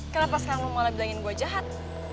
kenapa sekarang lo malah bilangin gue jahat